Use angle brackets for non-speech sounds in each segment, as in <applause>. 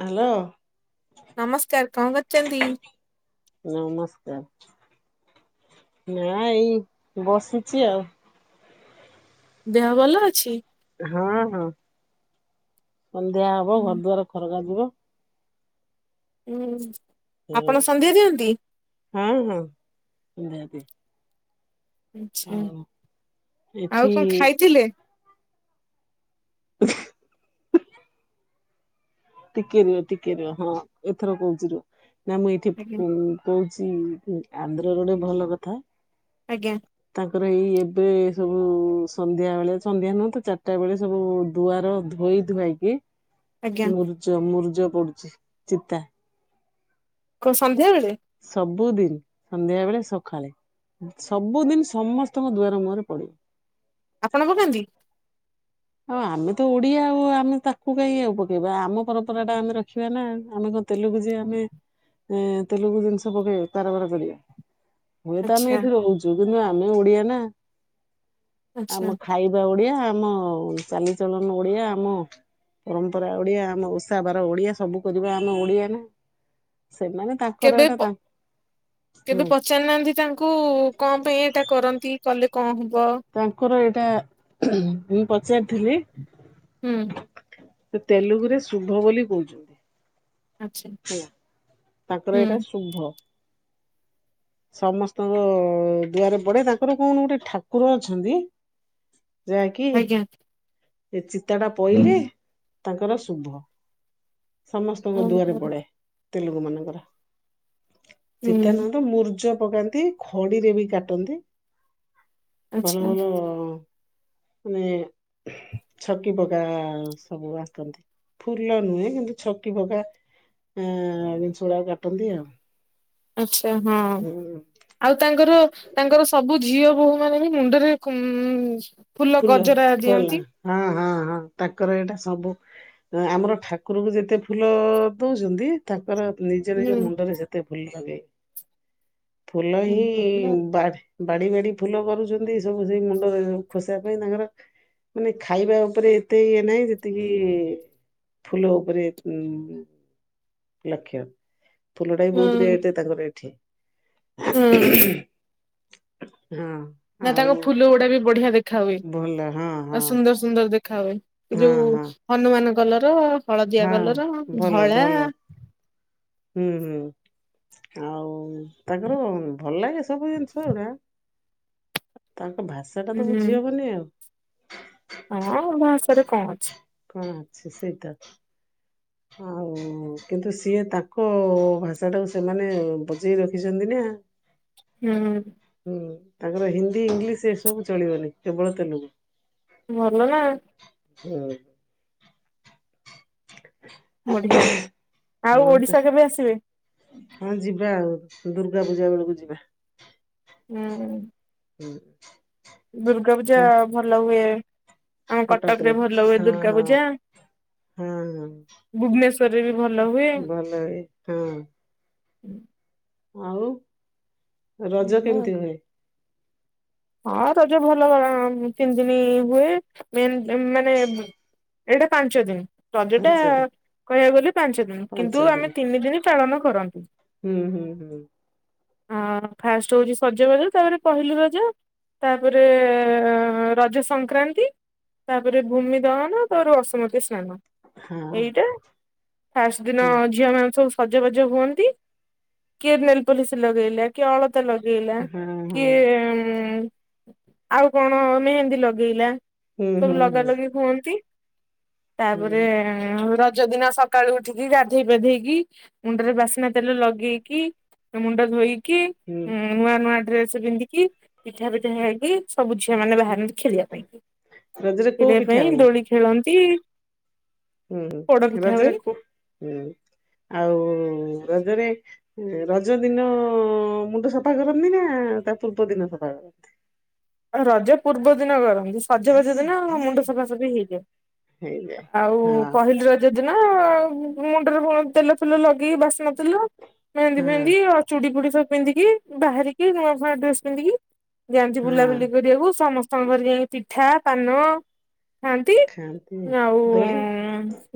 Hello. ନମସ୍କାର କଅଁ କରୁଚନ୍ତି? ନମସ୍କାର। ନା ଏଇ ବସିଚି ଆଉ। ଦେହ ଭଲ ଅଛି? ହଁ ହଁ ସନ୍ଧ୍ୟା ହବ ହୁଁ ଘର ଦୁଆର ଖରକା ଯିବ। ହୁଁ ଆପଣ ସନ୍ଧ୍ୟା ଦିଅନ୍ତି? ହଁ ହଁ ଦିଅନ୍ତି। ଆଛା ଏଠି ଆଉ କଣ ଖାଇଥିଲେ? ଟିକେ ରୁହ ଟିକେ ରୁହ ହଁ ଏଥର କହୁଛି ରୁହ ନା ମୁଁ ଏଇଠି ଆଜ୍ଞା ଉଁ କହୁଛି ଆନ୍ଧ୍ର ରୋଡ ଭଲ କଥା। ଆଜ୍ଞା ତାଙ୍କର ଏଇ ଏବେ ସବୁ ସନ୍ଧ୍ୟା ବେଳେ ସନ୍ଧ୍ୟା ନୁହଁ ତ ଚାରିଟା ବେଳେ ସବୁ ଦୁଆର ଧୋଇ ଧୁଆଇକି ଆଜ୍ଞା ମୁର୍ଜ ମୁରୁଜ ପଡୁଛି ଚିତା। କ ସନ୍ଧ୍ୟାବେଳେ? ସବୁଦିନି ସନ୍ଧ୍ୟା ବେଳେ ସକାଳେ। ସବୁଦିନି ସମସ୍ତଙ୍କ ଦୁଆର ମୁହରେ ପଡେ। ଆପଣ ପକାନ୍ତି? ହଁ ଆମେ ତ ଓଡିଆ ଆଉ ଆମେ ତାକୁ କାଇ ଆଉ ପକେଇବା ଆମ ପରମ୍ପରା ଟା ଆମେ ରଖିବା ନା ଆମେ କ ତେଲୁଗୁ ଯେ ଆମେ ତେଲୁଗୁ ଜିନିଷ ପକେଇ କାରବାର କରିବା। ହୁଏତ ଆମେ ଆଛା ଏଇଠି ରହୁଛୁ କିନ୍ତୁ ଆମେ ଓଡିଆ ନା ଆମ ଆଛା ଖାଇ ବା ଓଡିଆ ଆମ ଚାଲିଚଳନ ଓଡିଆ ଆମ ପରମ୍ପରା ଓଡିଆ ଆମ ଓଷା ବାର ଓଡିଆ ସବୁ କରିବା ଆମେ ଓଡିଆ ନା ସେମାନେ ତାଙ୍କର କେବେ ଏଇଟା ପ ତାଙ୍କ କେବେ ହୁଁ ପଚ ପଚାରିହାନ୍ତି ତାଙ୍କୁ କଣ ପାଇଁ ଏଇଟା କରନ୍ତି କଲେ କଣ ହବ? ତାଙ୍କର ଏଇଟା ଉହୁଁ--ମୁଁ ପଚାରିଥିଲି? ହୁଁ ତେଲୁଗୁ ରେ ଶୁଭ ବୋଲି କହୁଛନ୍ତି। ଆଚ୍ଛା। ହେଲା ତାଙ୍କର ଏଇଟା ଶୁଭ। ସମସ୍ତଙ୍କ ଦୁଆରେ ପଡେ ତାଙ୍କର କଣ ଗୋଟେ ଠାକୁର ଅଛନ୍ତି। ଯାହାକି ଆଜ୍ଞା ଏ ଚିତା ଟା ପଇଲେ ତାଙ୍କର ଶୁଭ। ସମସ୍ତଙ୍କ ଦୁଆରେ ଓହୋ ପଡେ ତେଲଗୁ ମାନଙ୍କର ଚିତ ହୁଁ ନହେଲେ ମୁରୁ ଚ ପକାନ୍ତି ଖଡିରେ ବି କାଟନ୍ତି। ଭଲ ଆଛା ଭଲ ମାନେ ହ୍ ଛକି ପକା ସବୁ ଆଙ୍କନ୍ତି ଫୁଲ ନୁହେଁ କିନ୍ତୁ ଛକି ପକା ଆଁ ବିଂଶ ଗୂରା କାଟନ୍ତି ଆଉ ଆଚ୍ଛା ହଁ ହୁଁ ଆଉ ତାଙ୍କର ତାଙ୍କର ସବୁ ଝିଅ ବୋହୂ ମାନେ ବି ମୁଣ୍ଡରେ ଉଁ ଫୁଲ ଗଜରା ଦିଅନ୍ତି। ହଁ ହଁ ହଁ ତାଙ୍କର ଏଇଟା ସବୁ ଆମର ଠାକୁରକୁ ଯେତେ ଫୁଲ ଦଉଛନ୍ତି। ତାଙ୍କର ନିଜ ହୁଁ ନିଜ ମୁଣ୍ଡରେ ସେତେ ଫୁଲ ଲାଗେ। ଫୁଲ ହିଁ ହୁଁ ବା ବାଡି ବାଡି ଫୁଲ କରୁଛନ୍ତି ସବୁ ସେଇ ମୁଣ୍ଡରେ ଖୋସିବା ପାଇଁ ତାଙ୍କର ମାନେ ଖାଇବା ଉପରେ ଏତେ ଇଏ ନାହିଁ ଯେତିକି ଫୁଲ ଉପ ଉପରେ ଉମ ଲକ୍ଷ୍ୟ ଫୁଲଟା ହିଁ ବହୁତ ହୁଁ ରେଟେ ତାଙ୍କର ଏଠି। ହଁ। ନା ଆଉ ତାଙ୍କ ଫୁଲ ଗୁଡା ବି ବଢିଆ ଦେଖା ହୁଏ। ଭଲ ହଁ ହଁ। ତ ସୁନ୍ଦର ଦେଖା ହୁଏ, ଏ ହଁ ଯୋଉ ହଁ ହନୁମାନ କଲର ହଳଦିଆ ହଁ କଲର, ଭଲ ଧଳା ଭଲ ହୁଁ, ହୁଁ ଆଉ ତାଙ୍କର ଭଲ ଲାଗେ ସବୁ ଜିନିଷ ଏକା ତାଙ୍କ ଭାଷା ଟା ତ ହୁଁ ବୁଝି ହବନି ଆଉ। ହଁ ଆଉ ଭାଷାରେ କଣ ଅଛି। କଣ ଅଛି ସେଇ ତ। ଆଉ କିନ୍ତୁ ସିଏ ତାଙ୍କ ଭାଷାଟାକୁ ସେମାନେ ବଜେଇ ରଖିଛନ୍ତି ନା। ନହନେ ହଁ, ତାଙ୍କର ହିନ୍ଦୀ ଇଂଲିଶ ଏସବୁ ଚଳିବନି କେବଳ ତେଲୁଗୁ। ଭଲ ନା। ହଁ। <unintelligible> ବଢିଆ, ଆଉ ହଁ ତ ଓଡିଶା କେବେ ଆସିବେ? ହଁ ଯିବା ଆଉ, ଦୁର୍ଗା ପୂଜା ବେଳକୁ ଯିବା। ନା କରନି। ହଁ। ଦୁର୍ଗା ପୂଜା ଭଲ ହୁଏ। ଆମ କଟକ କଟକରେ ରେ ଭଲ ହୁଏ ହଁ ଦୁର୍ଗା ହଁ ପୂଜା। ହଁ ହଁ ଭୁବନେଶ୍ଵରରେ ବି ଭଲ ହୁଏ। <unintelligible> ହଁ। ଆଉ ରଜ କେମିତି ହୁଏ? ହଁ ରଜ ଭଲ ତିନତିିନି ହୁଏ, ମେନ୍ ଏ ମାନେ ବୁ ଏଇଟା ପାଞ୍ଚ ଦିନ। ରଜ ଟା ପାଞ୍ଚ ଦିନ କହିବାକୁ ଗଲେ ପାଞ୍ଚ ଦିନ, ପାଞ୍ଚ କିନ୍ତୁ ଦିନ ଆମେ ତିନି ଦିନ ପାଳନ କରନ୍ତି। ହୁଁ, ହୁଁ, ହୁଁ। ଅ, ଫାଷ୍ଟ ହଉଛି ସଜବାଜ ତାପରେ ପହିଲି ରଜ ତାପରେ ରଜ ସଂକ୍ରାନ୍ତି। ତାପରେ ଭୂମି ଦହନ, ତାର ରସୁମତି ସ୍ନାନ। ହଁ ଏଇଟା ଫାଷ୍ଟ ଦିନ ହଁ ଝିଅ ମାନ ସବୁ ସଜବାଜ ହୁଅନ୍ତି, କିଏ ନେଲ ପଲିସ୍ ଲଗେଇଲା କିଏ ଅଳ ତା ଲଗେଇଲା, ହଁ ହଁ କିଏ ଉଁ, ଆଉ କଣ ମେହେନ୍ଦୀ ଲଗେଇଲା। ହୁଁ ସବୁ ହୁଁ ହୁଁ ଲଗା ଲଗି ହୁଅନ୍ତି, ହୁଁ ତାପରେ ଏଁ, ଆଉ ରଜ ଦିନ ସକାଳୁ ଉଠିକି ଗାଧେଇ ପାଧେଇକି। ମୁଣ୍ଡରେ ବାସ୍ନା ତେଲ ଲଗେଇକି ଓ ମୁଣ୍ଡ ଧୋଇକି ଏଁ, ହୁଁ ନୂଆ ନୂଆ ଡ୍ରେସ୍ ପିନ୍ଧିକି ପିଠା ପିଠା ଖାଇକି ସବୁ ଝିଅ ମାନେ ବାହାରନ୍ତି ଖେଳିବା ପାଇଁ କି, ରଜରେ କୋଉ ଖେଳିବା ପିଠା ପାଇଁ ହୁଏ? ଦୋଳି ଖେଳନ୍ତି। ହୁଁ, ପୋଡ ପିଠା ରଜରେ ହୁଏ କୋ- ହୁଁ, ଆଉ ରଜରେ ଏ ରଜ ଦିନ ମୁଣ୍ଡ ସଫା କରନ୍ତି ନା ତା ପୂର୍ବ ଦିନ ସଫା କରନ୍ତି? ଆହା ରଜ ପୂର୍ବ ଦିନ କରନ୍ତି। ସଜବାଜ ଦିନ ମୁଣ୍ଡ ସଫାସଫି ହେଇଯାଏ। ହେଇଯାଏ। ଆଉ ହଁ ପହିଲି ର ଜ ଦିିନ ମୁ-ମୁଣ୍ଡରେ ବ-ତେଲ ଫେଲ ଲଗେଇକି ବାସନ ତେଲ, ମେହେନ୍ଦି ହଁ ଫେହେନ୍ଦି ଓ ଚୁଡି ଫୁଡି ସବ ପିନ୍ଧିକି ବାହାରିକି ନୂଆ ନୂଆ ଡ୍ରେସ୍ ପିନ୍ଧିକି ଯାଆନ୍ତି ହଁ ବୁଲାବୁଲି କରିବାକୁ ସମସ୍ତଙ୍କ ଘରେ ଯାଇକି ପିଠା, ପାନ ଖାଆନ୍ତି, ଖାଆନ୍ତି ଆଉ ଉଁ, ଦୋଳି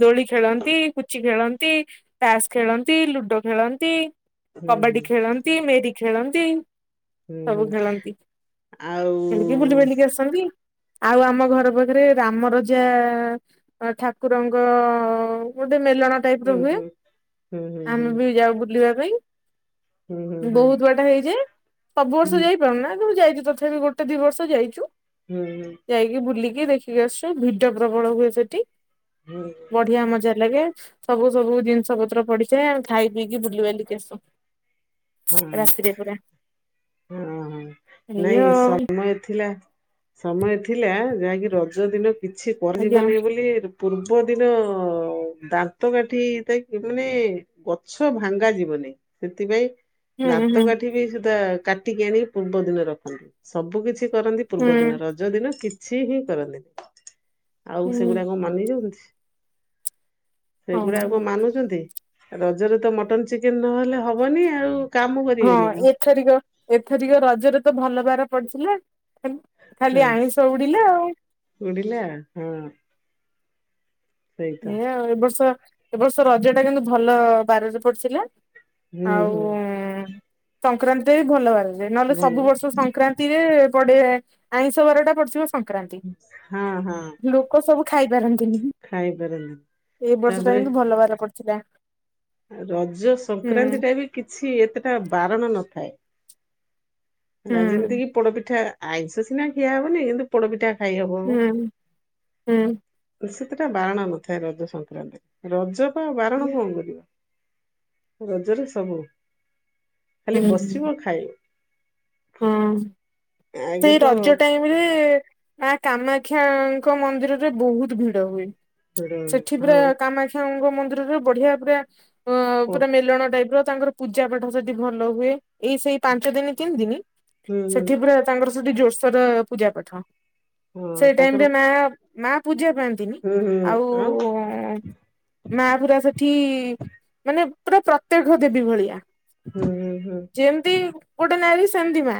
ଦୋଳି ଖେଳନ୍ତି, ପୁଚି ଖେଳନ୍ତି, ତାସ୍ ଖେଳନ୍ତି, ଲୁଡୋ ଖେଳନ୍ତି। ହୁଁ ହୁଁ କବାଡି ଖେଳନ୍ତି, ମେରି ଖେଳନ୍ତି। ହୁଁ ସବୁ ହୁଁ। ଖେଳନ୍ତି ଆଉ ଖେଳିକି ବୁଲି ବାଲିକି ଆସନ୍ତି ଆଉ ଆମ ଘର ପାଖରେ ରାମ ରଜା ଠାକୁରଙ୍କ ଗୋଟେ ମେଲଣ ଟାଇପର ହୁଁ ହୁଏ ହୁଁ ହୁଁ ହୁଁ ଆମେ ହୁଁ ବି ଯାଉ ବୁଲିବା ପାଇଁ। ହୁଁ ହୁଁ ବହୁତ ବାଟ ହେଇଯାଏ ସବୁ ହୁଁ ବର୍ଷ ହୁଁ ଯାଇପାରୁ ନା ତୁ ଯାଇଛୁ ଥର ବି ଗୋଟେ ଦି ବର୍ଷ ଯାଇଚୁ। ହୁଁ ହୁଁ। ଯାଇକି ବୁଲିକି ଦେଖିକି ଆସୁ ଭିଡ ପ୍ରବଳ ହୁଏ ସେଠି। ହୁଁ। ବଢିଆ ମଜା ଲାଗେ ସବୁ ସବୁ ଜିନିଷ ପତ୍ର ପଡିିଥାଏ ଆମେ ଖାଇ ପିଇକି ବୁଲିିବାଲିକି ଆସୁ। ହଁ ରାତିରେ ପୁରା ହଁ ହଁ ଏଇ ନାଇଁ ଆଉ ସମୟ ଥିଲା ସମୟ ଥିଲା ଯାହାକି ରଜ ଦିନ କିଛି ଆଜ୍ଞା କରିଯିବନି ବୋଲି ପୂର୍ବ ଦିନ ଦାନ୍ତ କାଠି ତାକି ମାନେ ଗଛ ଭାଙ୍ଗା ଯିବନେଇ ସେଥିପାଇଁ ହୁଁ ଦାନ୍ତ ହୁଁ କାଠି ବି ସୁଧା କାଟିକି ଆଣିକି ପୂର୍ବ ଦିନ ରଖନ୍ତି ସବୁ କିଛି କରନ୍ତି ହୁଁ ପୂର୍ବ ଦିନ ରଜ ଦିନ କିଛି ହିଁ କରନ୍ତିନି ଆଉ ହୁଁ ସେଗୁଡାକ ମନେ ରହୁଚି। ସେଗୁଡା ଆଉ ହଁ କଣ ମାନୁଛନ୍ତି ରଜରେ ତ ମଟନ ଚିକେନ ନହେଲେ ହବନି ଆଉ। କାମ ହଁ କରିବେନି କଣ? ଏଥରିକ ଏଥରିକ ରଜରେ ତ ଭଲ ବାର ପଡିଥିଲା। ଖାଲି ଆଇଁଷ ଉଡିଲା ଆଉ। ଉଡିଲା ହଁ। ସେଇ ତ ଏଇଆ ଆଉ ଏ ବର୍ଷ ଏ ବର୍ଷ ରଜ ଟା କିନ୍ତୁ ଭଲ ବାରରେ ପଡିଥିଲା। ହୁଁ ଆଉ ହୁଁ ସଂକ୍ରାନ୍ତିଟା ବି ଭଲ ବାରରେ ନହେଲେ ଭଲ ସବୁ ବର୍ଷ ସଂ ସଂକ୍ରାନ୍ତି ରେ ପଡେ ଆଇଁଷ ବାରଟା ପଡିଥିବ ସଂକ୍ରାନ୍ତି ହଁ ହଁ। ଲୋକ ସବୁ ଖାଇପାରନ୍ତିନି ହି। ଖାଇପାରନ୍ତିନି। ଏଇ ବର୍ଷ ଟା ତାପରେ କିନ୍ତୁ ଭଲ ବାର ପଡିଥିଲା। ରଜ ହୁଁ ସଂକ୍ରାନ୍ତି ଟା ବି କିଛି ଏତେଟା ବାରଣ ନଥାଏ। ହୁଁ ହେଲା ଯେମିତି କିି ପୋଡପିଠା ଆଇଁଷ ସିନା ଖିଆ ହବନି କିନ୍ତୁ ପୋଡପିଠା ଖାଇହବ। ହୁଁ ହୁଁ। ସେତଟା ବାରଣ ନଥାଏ ରଜ ସଂକ୍ରାନ୍ତିରେ ରଜପା ଆଉ ବାରଣ ହୁଁ କଣ କରିବ। ରଜରେ ସବୁ ଖାଲି ବସିବ ଖାଇବ। ହଁ ଆଗେ ସେଇ ତ ରଜଟା ରେ ମା କାମାକ୍ଷାଙ୍କ ମନ୍ଦିରରେ ବହୁତ ଭିଡ ହୁଏ। ସେଠିପୁରା ହଁ କାମାଖି ଙ୍ଗ ମନ୍ଦିରରେ ବଢିଆ ପୁରା ଅ ହୁଁ ପୁରା ମେଲଣ ଟାଇପ ର ତାଙ୍କର ପୂଜାପାଠ ସେଠି ଭଲ ହୁଏ ଏଇ ସେଇ ପାଞ୍ଚ ଦିନି ତିନି ଦିନି ହୁଁ ସେଠି ପୁରା ତାଙ୍କର ସେଠି ଜୋରସୋର ପୂଜା ପାଠ ହଁ ସେଇ ଟାଇମ ତାଙ୍କର ରେ ମା ମା ପୂଜା ପାଆନ୍ତି ନ୍ତିନି ହୁଁ ହୁଁ ଆଉ ଉ ମା ପୁରା ସେଠି ମାନେ ପୁରା ପ୍ରତ୍ୟକ ଦେବି ଭଳିଆ। ହୁଁ। ହୁଁ ଯେମତି ଗୋଟେ ନାଇଁକି ସେମିତି ମା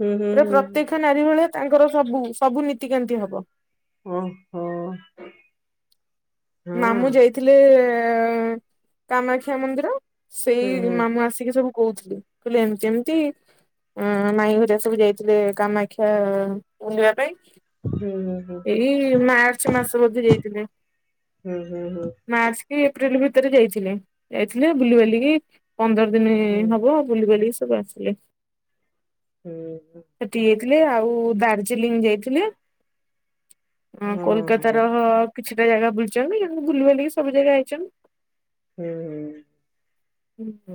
ହୁଁ ହୁଁ ହୁଁ ହୁଁ ପ୍ରତ୍ୟକ୍ଷ ନାରୀ ଭଳିଆ ତାଙ୍କର ସବୁ ସବୁ ନୀତିକାନ୍ତି ହବ। ଓ ହୋ। ହଁ ମାମୁଁ ଯାଇଥିଲେ ଏ ଏ, କାମାକ୍ଷା ମନ୍ଦିର। ହୁଁ ସେଇ ହୁଁ ମାମୁଁ ଆସିକି ସବୁ କହୁଥିଲେ, କହିଲେ ଏମତି ଏମିତି। ଅଁ, ମାଇଁ ଘରିଆ ସବୁ ଯାଇଥିଲେ, କାମାକ୍ଷା ବୁଲିବା ପାଇଁ। ବୁଲିବା ଏଇ ଇ, ମାର୍ଚ୍ଚ ମାସ ବୋଧେ ଯାଇଥିଲେ। ହୁଁ ହୁଁ ହୁଁ। ମାର୍ଚ୍ଚ କି ଏପ୍ରିଲ ଭିତରେ ଯାଇଥିଲେ, ଯାଇଥିଲେ, ବୁଲିିବାଲିିକି ପନ୍ଦର ଦିନି ହବ ଅ ବୁଲି ବାଲିକି ସବୁ ଆସିଲେ, ସେଟି ଥିଲେ, ଆଉ ଦାର୍ଜିଲିଂ ଯାଇଥିଲେ, କୋଲକତାର କିଛିଟା ଜାଗା ବୁଲିଚନ୍ତି, କିନ୍ତୁ ବୁଲିବାଲିକି ସବୁ ଜାଗା ଆଇଚନ୍ତି। ହୁଁ ହୁଁ। <unintelligible>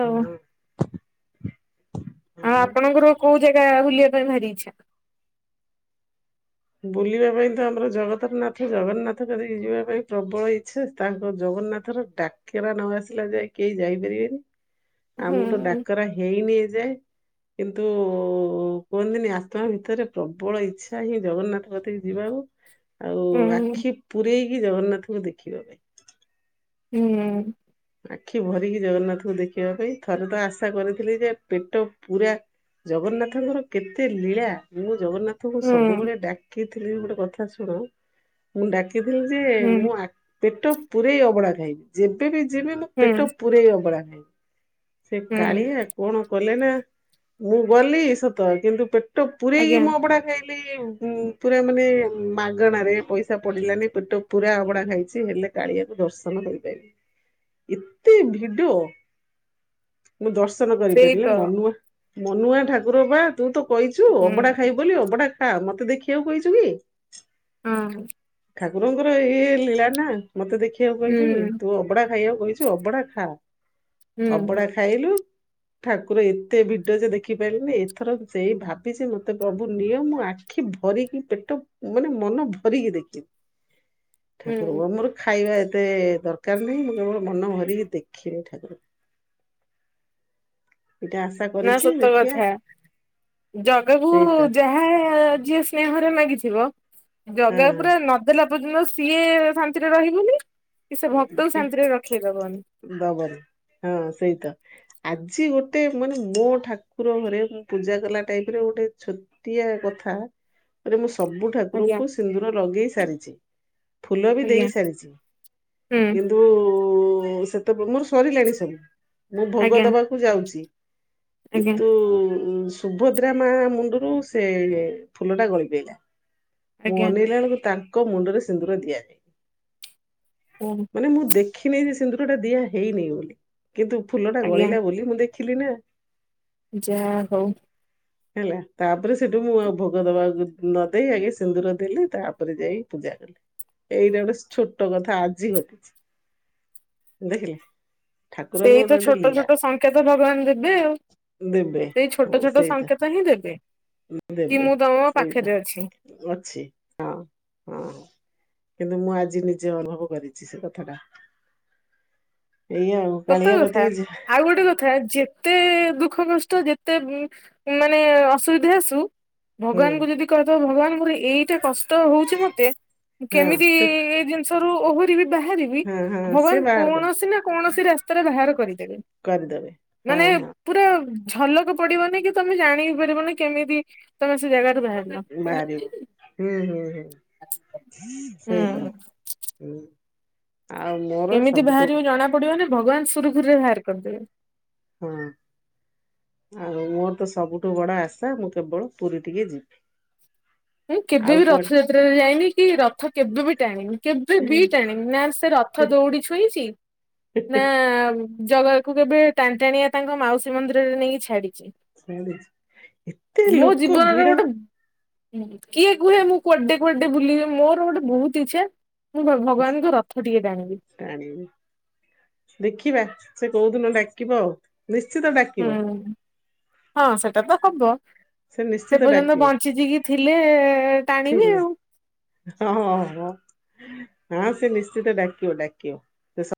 ଆଉ ଆପଣଙ୍କର କୋଉ ଜାଗା ବୁଲିବା ପାଇଁ ଭାରି ଇଛା? ବୁଲିବା ପାଇଁ ତ ଆମର ଜଗତରନାଥ ଜଗନ୍ନାଥ କତିକି ଯିବା ପାଇଁ ପ୍ରବଳ ଇଛା, ତାଙ୍କ ଜଗନ୍ନାଥ ର ଡାକରା ନ ଆସିଲା ଯାଏ କେହି ଯାଇପାରିବେନି, ଆଉ ମୁଁ ତ ହୁଁ ଡାକରା ହେଇନି ଏ ଯାଏ। କିନ୍ତୁ କୁହନ୍ତିନି, ଆତ୍ମା ଭିତରେ ପ୍ରବଳ ଇଛା ହିଁ ଜଗନ୍ନାଥ କତିକି ଯିବାକୁ, ଆଉ ହୁଁ ଆଖି ପୂରେଇକି ଜଗନ୍ନାଥଙ୍କୁ ଦେଖିବା ପାଇଁ। ହୁଁ ଉଁ। ଆଖି ଭରିକି ଜଗନ୍ନାଥଙ୍କୁ ଦେଖିବା ପାଇଁ, ଥରେ ତ ଆଶା କରିଥିଲି ଯେ, ପେଟ ପୁରା ଜଗନ୍ନାଥଙ୍କର କେତେ ଲୀଳା, ମୁଁ ଜଗନ୍ନାଥ ତ, ମୁଁ ହୁଁ ସବୁବେଳେ ଡାକିଥିଲି ଗୋଟେ କଥା ଶୁଣ, ମୁଁ ଡାକିଥିଲି ଯେ, ହୁଁ ମୁଁ ଆ ପେଟ ପୂରେଇ ଅବଡା ଖାଇବି, ଯେବେ ବି ଯିବି ମୁଁ, ପେଟ ହୁଁ ପୁରେଇ ଅବଡା ଖାଇବି। ସେ ହୁଁ କାଳିଆ କଣ କଲେ ନା, ମୁଁ ଗଲି ସତ, କିନ୍ତୁ ପେ ପେଟ ପୁରେଇକି ଆଜ୍ଞା ମୁଁ ଅବଡା ଖାଇ ମୁଁ କହିଲି, ପୁରା ମାନେ, ମାଗଣାରେ ପଇସା ପଡ଼ିଲାନି, ପେଟ ପୁରା ଅଭଡ଼ା ଖାଇଛି, ହେଲେ କାଳିଆକୁ ଦର୍ଶନ କରିପାରିବି, ଏତେ ଭିଡ ମୁଁ ଦର୍ଶନ ସେଇ କରିପାରିଲି, ତ ମନୁଆ, ମନୁଆ ଠାକୁର ପା। ତୁ ତ କଇଚୁ, ହୁଁ ଅବଡା ଖାଇବୁ ବୋଲି, ଅବଡା ଖା, ମତେ ଦେଖିବାକୁ କହିଚୁ କି? ହଁ ଅଁ। ଠାକୁରଙ୍କର ଇଏ ଲୀଳା ନା, ମତେ ଦେଖିବାକୁ କଇଚୁ କି? ହୁଁ <unintelligible> ଅବଡା ଖାଇବାକୁ କହିଚୁ, ଅବଡା ଖା, ହୁଁ ଅବଡା ଖାଇଲୁ ଠାକୁର ଏତେ ଭିଡ ଯେ, ଦେଖିପାଇଲିନି, ଏଥର ସେଇ ଭାବିଚି, ମତେ ପ୍ରଭୁ ନିଅ, ମୁଁ ଆ ଆଖି ଭରିକି, ପେଟ, ମାନେ ମନ ଭରିକି ଦେଖିବି। <inaudible> ଠାକୁରଙ୍କୁ, ମୋର ଖାଇବା ଏତେ ଦରକାର ନାହିଁ, ମୁଁ କେବଳ ମନ ଭରିକି ଦେଖିବି ଠାକୁର। ଏଟା ଆଶା ନା କରିଛି ସତ ଦେଖିବା କଥା, ଜଗାକୁ ସେଇଟା ଯାହା ଆ, ଯିଏ ସ୍ନେହରେ ମାଗିଥିବ, ଜଗା ପୁରା ନଦ୍ ନଦେଲା ପର୍ଯ୍ୟନ୍ତ, ସିଏ ଶାନ୍ତିରେ ରହିବନି। କି ସେ ଭକ୍ତକୁ ଡ଼ରିକି ଶାନ୍ତିରେ ରଖେଇଦବନି ଦବନି, ହଁ ସେଇତ। ଆଜି ଗୋଟେ ମାନେ, ମୋ ଠାକୁର ଘରେ ମୁଁ ପୂଜା କଲା ଟାଇମ ରେ, ଗୋଟେ ଛୋ ଟିଆ କଥା, ମାନେ ମୁଁ ସବୁଠ ଆଜ୍ଞା ଠାକୁରଙ୍କୁ ସିନ୍ଦୁର ଲଗେଇ ସାରିଚି, ଫୁଲ ବି ଆଜ୍ଞା ଦେଇ ସାରିଚି ହୁଁ ଉଁ। ତୁ ସେତେବେ ମୋର ସରିଲାଣି ସବୁ ମୁଁ ଭୋଗ ଆଜ୍ଞା ଦବାକ କୁ ଯାଉଛି ଆଜ୍ଞା କିନ୍ତୁ ଉ ସୁଭଦ୍ରା ମା ମୁଣ୍ଡରୁ ସେ ଫୁଲଟା ଗଳି ପଇଲା। ମୁଁ ଆଜ୍ଞା ଅନେଇଲାଳକୁ ତାଙ୍କ ମୁଣ୍ଡରେ ସିନ୍ଦୁର ଦିଆଯାଇନି। ହୁଁ। ମାନେ ମୁଁ ଦେଖିନି ଯେ ସିନ୍ଦୁର ଟା ଦିଆ ହେଇନି ବୋଲି କିନ୍ତୁ ଫୁଲଟା ଆଜ୍ଞା ଗଳିଲା ବୋଲି ମୁଁ ଦେଖିଲି ନା। ଯାହା ହଉ। ହେଲା ତାପରେ ସେଠୁ ମୁଁ ଆଉ ଭୋଗ ଦବାକୁ ନ ଦେଇ ଆଗେ ସିନ୍ଦୁର ଦେଲି ତାପରେ ଯାଇ ପୂଜା କଲି। ଏଇଟା ଗୋଟେ ଛୋଟ କଥା ଆଜି ଘଟିଛି ଦେଖିଲେ? ଠାକୁରଙ୍କ ସେଇ ଗୋଟେ ତ ଗୋଟେ ଛୋଟ ଲୀଳା। ଛୋଟ ସଂକେତ ଭଗବାନ ଦେବେ ଆଉ। ଦେବେ ସେଇ ହଁ ଛୋଟ ଛୋଟ ସେଇତ ସଂଙ୍କେତ ହିଁ ଦେବେ କି ଦେବେ ମୁଁ ତମ ସେଇତ ପାଖେରେ ଅଛି। ଅଛି ହଁ। ହଁ କିନ୍ତୁ ମୁଁ ଆଜି ନିଜେ ଅନୁଭବ କରିଛି ସେ କଥାଟା। ଏଇଆ ଆଉ। ସତ କାଳିଆ କଥା କତିକି ଯା ଆଉ ଗୋଟେ କ ଥା ଯେତେ ଦୁଃଖ କଷ୍ଟ ଯେତେ ମାନେ ଅସୁବିଧା ଆସୁ ହୁଁ। ଭଗବାନଙ୍କୁ ଯଦି କହିଦବ ଭଗବାନ ମୋର ଏଇଟା କଷ୍ଟ ହଉଛି ମତେ ହଁ କେମିତି ସେ ଇ ଏ ରୁ ଓହରି ବିି ବାହାରିବି ହଁ ହଁ ସେ ଭଗବାନ ବାହାର କର କୌଣସି ନା କୌଣସି ରାସ୍ତାରେ ବାହାର କରିଦେଲେ କରିଦେବେ ହଁ ମାନେ ହଁ ପୁରା ଝଲକ ପଡିବନି କି ତମେ ଜାଣି ବି ପାରିବନି କେମିତି ତମେ ସେ ଜାଗାରୁ ବାହା ବାହାରିବ ହୁଁ ହୁଁ ହୁଁ ସେଇଟା ହୁଁ ହୁଁ। ଆଉ ମ କେମିତି ବାହାରିବ ଜଣା ପଡିବନି ଭଗବାନ ସୁରୁଖୁରୁରେ ବାହାର କରିଦେବେ। ହଁ। ଆଉ ମୋର ତ ସବୁଠୁ ବଡ ଆଶା ମୁଁ କେବଳ ପୁରୀ ଟିକେ ଯିବି। ମୁଁ କେବେ ଆଉ ବି ରଥଯାତ୍ରାରେ ଯାଇନି କି ରଥ କେବେ ବି ଟାଣିନି। କେବେ ବିିଟାଣିନି ନା ସେ ରଥ ଦୌଡି ଛୁଇଁଛି ନା ଜଗ ତାକୁ କେବେ ଟାଣି ଟାଣିକା ତାଙ୍କ ମାଉସୀ ମନ୍ଦିରରେ ନେଇକି ଛାଡିଛି। ଏତେ ଲୋକ ଭିଡ ହୁଁ କିଏ କୁହେ ମୁଁ କୁଆଡେ କୁଆଡେ ବୁଲିବି ମୋର ଗୋଟେ ବହୁତ ଇଚ୍ଛା ମୁଁ ଭଗବାନଙ୍କ ରଥ ଟିକେ ଟାଣିବି। ଦେଖିବା ସେ କୋଉଦିନ ଡାକିବ ଆଉ। ନିଶ୍ଚିତ ଡାକ ହୁଁ ହୁଁ ହଁ ସେଟାତ କବ। ସେ ନିଶ୍ଚିତ ପର୍ଯ୍ୟନ୍ତ ଡାକିବ ବଞ୍ଚିଜିକିି ଥିଲେ ଟାଣିବି ଥିଲେ ଆଉ। ହଁ ହଁ ହଁ ହଁ ସେ ନିଶ୍ଚିତ ଡାକିବ ଡାକିବ।